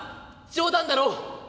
冗談だろ？